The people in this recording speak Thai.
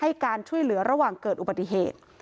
ให้การช่วยเหลือระหว่างเกิดอุบัติเหตุ